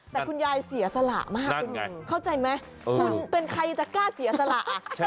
แต่คุณยายเสียสละมากคุณเข้าใจไหมคุณเป็นใครจะกล้าเสียสละ